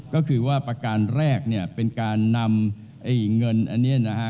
ก็คือว่าประการแรกเนี่ยเป็นการนำเงินอันนี้นะฮะ